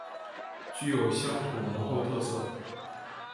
具有乡土浓厚特色